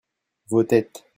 vos têtes.